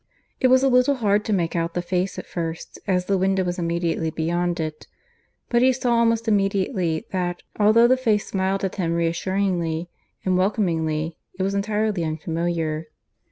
It was a little hard to make out the face at first, as the window was immediately beyond it; but he saw almost immediately that, although the face smiled at him reassuringly and welcomingly, it was entirely unfamiliar.